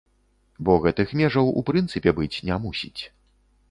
Бо гэтых межаў у прынцыпе быць не мусіць.